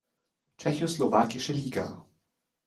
Tschechoslowakische Liga.